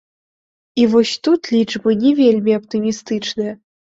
І вось тут лічбы не вельмі аптымістычныя.